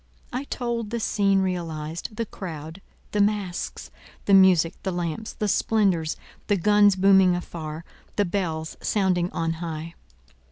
I told the scene realized; the crowd, the masques, the music, the lamps, the splendours, the guns booming afar, the bells sounding on high.